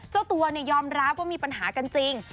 เจ้าตัวยอมรับว่ามีปัญหากันจริง